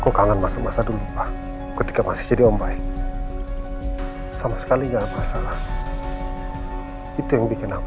aku kangen masuk masa dulu pak ketika masih jadi om baik sama sekali enggak masalah itu yang bikin aku